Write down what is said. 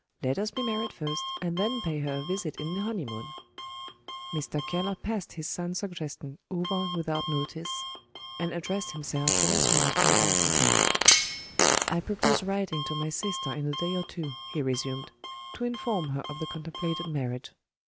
Let us be married first, and then pay her a visit in the honeymoon." Mr. Keller passed his son's suggestion over without notice, and addressed himself once more to Madame Fontaine. "I propose writing to my sister in a day or two," he resumed, "to inform her of the contemplated marriage.